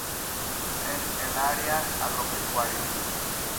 En el área Agropecuario.